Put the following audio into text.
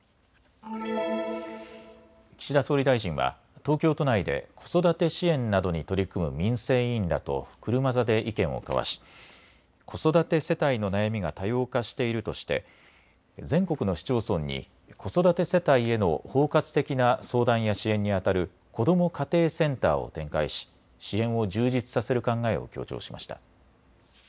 岸田総理大臣は東京都内で子育て支援などに取り組む民生委員らと車座で意見を交わし子育て世帯の悩みが多様化しているとして全国の市町村に子育て世帯への包括的な相談や支援にあたるこども家庭センターを展開し支援を充実させる考えを強調しました。